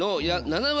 ７割？